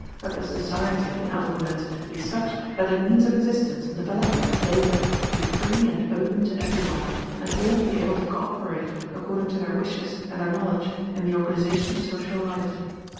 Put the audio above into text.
That the society, in other words, be such that the means of existence and development of labor be free and open to every one, and all be able to co operate, according to their wishes and their knowledge, in the organization of social life.